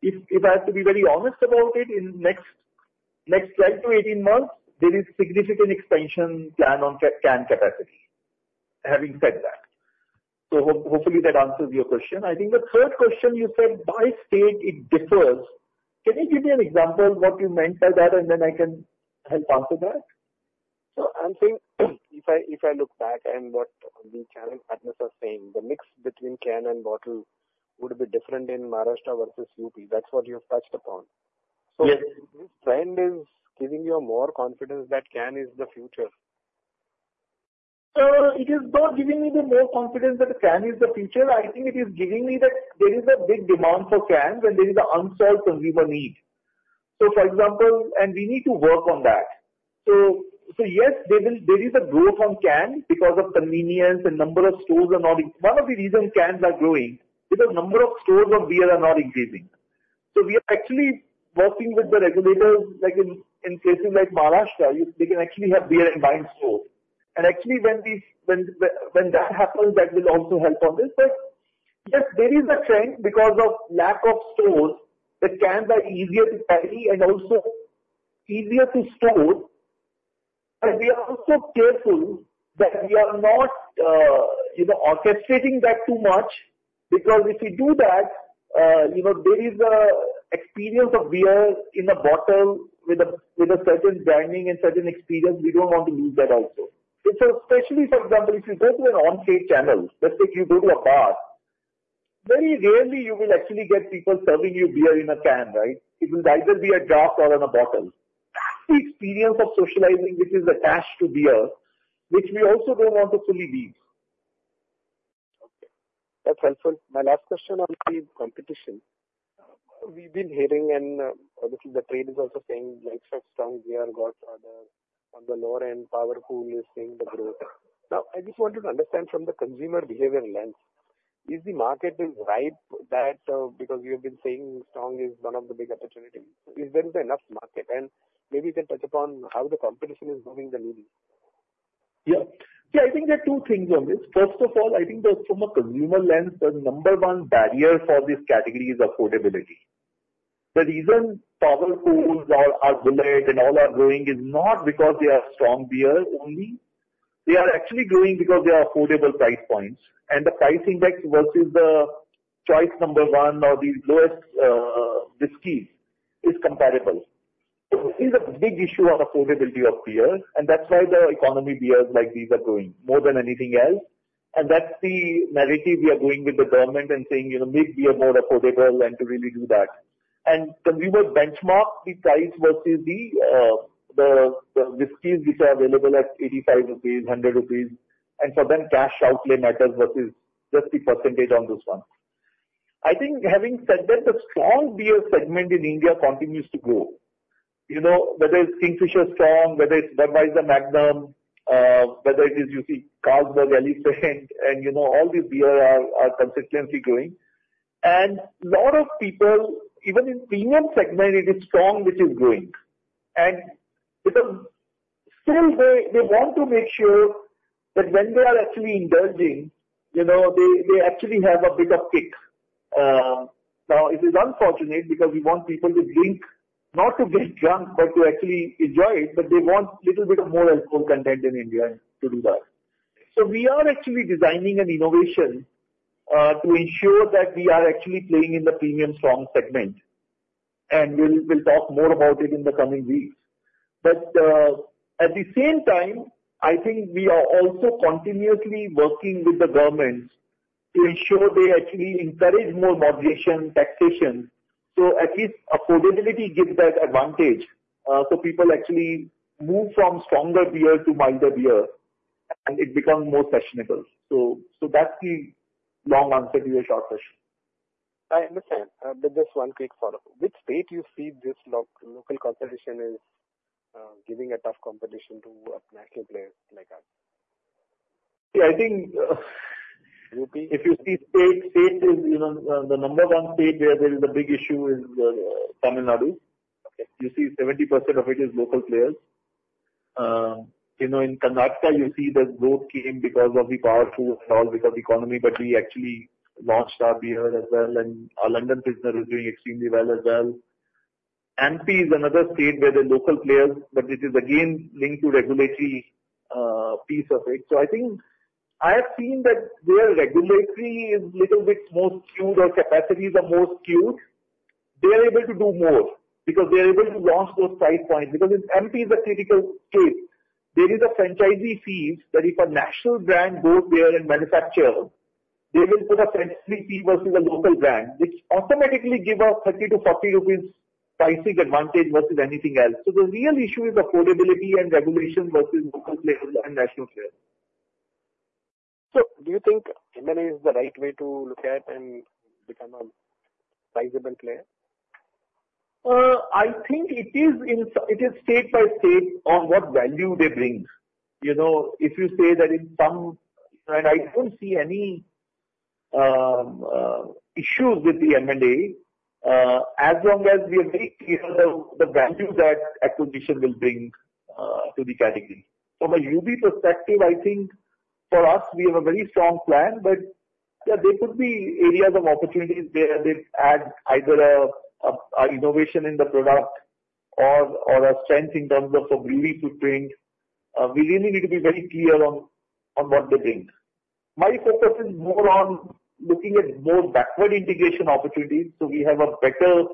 if I have to be very honest about it, in the next 12-18 months, there is significant expansion plan on can capacity. Having said that, so hopefully that answers your question. I think the third question you said, by state, it differs. Can you give me an example of what you meant by that, and then I can help answer that? I'm saying if I look back and what the channel partners are saying, the mix between can and bottle would be different in Maharashtra versus UP. That's what you've touched upon. This trend is giving you more confidence that can is the future? So it is not giving me more confidence that can is the future. I think it is giving me that there is a big demand for cans and there is an unsolved consumer need. So for example, and we need to work on that. So yes, there is a growth on can because of convenience and number of stores are not one of the reasons cans are growing is the number of stores of beer are not increasing. So we are actually working with the regulators. In places like Maharashtra, they can actually have beer and wine stores. And actually, when that happens, that will also help on this. But yes, there is a trend because of lack of stores that cans are easier to carry and also easier to store. We are also careful that we are not orchestrating that too much because if we do that, there is an experience of beer in a bottle with a certain branding and certain experience. We don't want to lose that also. Especially, for example, if you go to an on-site channel, let's say you go to a bar, very rarely you will actually get people serving you beer in a can, right? It will either be a draught or in a bottle. That's the experience of socializing, which is attached to beer, which we also don't want to fully leave. Okay. That's helpful. My last question on the competition. We've been hearing, and obviously, the trade is also saying likes of strong beer on the lower end, Power is seeing the growth. Now, I just wanted to understand from the consumer behavior lens, is the market ripe because you have been saying Strong is one of the big opportunities? Is there enough market? And maybe you can touch upon how the competition is moving the needle? Yeah. Yeah. I think there are two things on this. First of all, I think from a consumer lens, the number one barrier for this category is affordability. The reason Power, Bullet and all are growing is not because they are Strong Beer only. They are actually growing because they are affordable price points. And the price index versus the choice number one or the lowest whiskey is comparable. It is a big issue of affordability of beer, and that's why the economy beers like these are growing more than anything else. And that's the narrative we are going with the government and saying, "Make beer more affordable and to really do that." And consumers benchmark the price versus the whiskeys which are available at 85 rupees, 100 rupees. And for them, cash outlay matters versus just the percentage on those ones. I think having said that, the Strong Beer segment in India continues to grow. Whether it's Kingfisher Strong, whether it's Budweiser Magnum, whether it is, you see, Carlsberg Elephant, and all these beers are consistently growing. And a lot of people, even in premium segment, it is Strong which is growing. And because still, they want to make sure that when they are actually indulging, they actually have a bit of kick. Now, it is unfortunate because we want people to drink, not to get drunk, but to actually enjoy it, but they want a little bit of more alcohol content in India to do that. So we are actually designing an innovation to ensure that we are actually playing in the premium Strong segment. And we'll talk more about it in the coming weeks. At the same time, I think we are also continuously working with the government to ensure they actually encourage more moderate taxation. So at least affordability gives that advantage so people actually move from stronger beer to milder beer, and it becomes more sustainable. So that's the long answer to your short question. I understand. Just one quick follow-up. Which state do you see this local competition is giving a tough competition to national players like us? Yeah. I think if you see state, the number one state where there is a big issue is Tamil Nadu. You see 70% of it is local players. In Karnataka, you see the growth came because of the Power and all because of the economy, but we actually launched our beer as well, and our London Pilsner is doing extremely well as well. MP is another state where the local players, but this is again linked to regulatory piece of it. So I think I have seen that where regulatory is a little bit more skewed or capacities are more skewed, they are able to do more because they are able to launch those price points. Because in MP is a critical case, there is a franchise fee that if a national brand goes there and manufactures, they will put a franchise fee versus a local brand, which automatically gives us 30-40 rupees pricing advantage versus anything else. So the real issue is affordability and regulation versus local players and national players. Do you think M&A is the right way to look at and become a sizable player? I think it is state by state on what value they bring. If you say that in some and I don't see any issues with the M&A as long as we are very clear on the value that acquisition will bring to the category. From a UB perspective, I think for us, we have a very strong plan, but there could be areas of opportunities where they add either an innovation in the product or a strength in terms of a regional footprint. We really need to be very clear on what they bring. My focus is more on looking at more backward integration opportunities so we have a better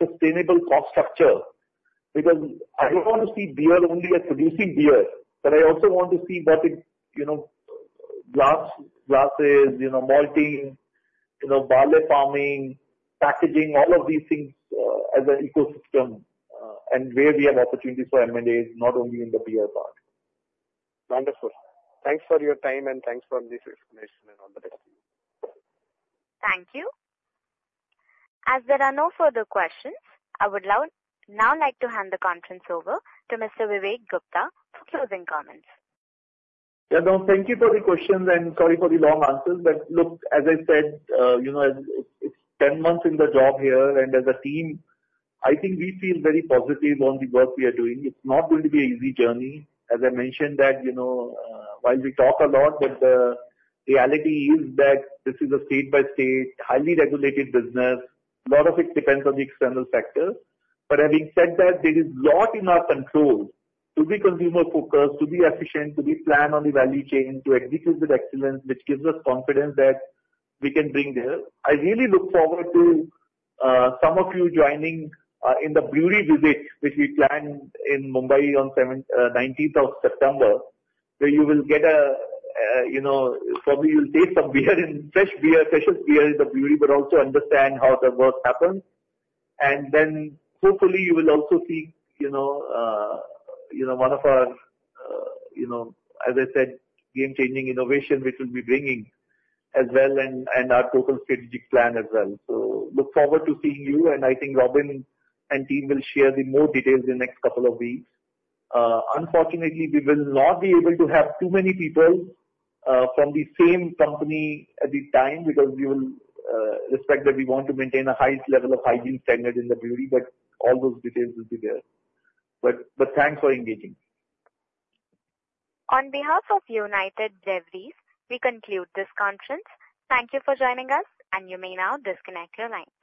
sustainable cost structure, because I don't want to see beer only as producing beer, but I also want to see what glasses, malting, barley farming, packaging, all of these things as an ecosystem and where we have opportunities for M&As, not only in the beer part. Wonderful. Thanks for your time and thanks for this explanation, and all the best to you. Thank you. As there are no further questions, I would now like to hand the conference over to Mr. Vivek Gupta for closing comments. Yeah. No, thank you for the questions and sorry for the long answers. But look, as I said, it's 10 months in the job here, and as a team, I think we feel very positive on the work we are doing. It's not going to be an easy journey. As I mentioned that while we talk a lot, but the reality is that this is a state-by-state, highly regulated business. A lot of it depends on the external factors. But having said that, there is a lot in our control to be consumer-focused, to be efficient, to be planned on the value chain, to execute with excellence, which gives us confidence that we can bring there. I really look forward to some of you joining in the brewery visit, which we plan in Mumbai on 19th of September, where you will get a, probably you'll taste some beer and fresh beer, special beer in the brewery, but also understand how the work happens. Then hopefully, you will also see one of our, as I said, game-changing innovation, which we'll be bringing as well and our total strategic plan as well. So look forward to seeing you, and I think Robin and team will share the more details in the next couple of weeks. Unfortunately, we will not be able to have too many people from the same company at the time because we will respect that we want to maintain a high level of hygiene standard in the brewery, but all those details will be there. But thanks for engaging. On behalf of United Breweries, we conclude this conference. Thank you for joining us, and you may now disconnect your line.